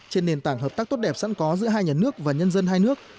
trên nền tảng hợp tác tốt đẹp sẵn có giữa hai nhà nước và nhân dân hai nước